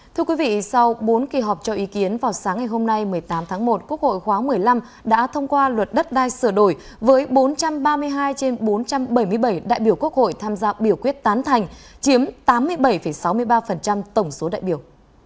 thưa quý vị sau bốn kỳ họp cho ý kiến vào sáng ngày hôm nay một mươi tám tháng một quốc hội khóa một mươi năm đã thông qua luật đất đai sửa đổi với bốn trăm ba mươi hai trên bốn trăm bảy mươi bảy đại biểu quốc hội tham gia biểu quyết tán thành chiếm tám mươi bảy sáu mươi ba tổng số đại biểu